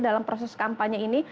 dalam proses kampanye ini